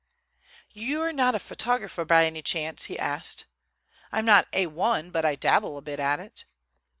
"You're not a photographer, by any chance?" he asked. "I'm not A1, but I dabble a bit at it."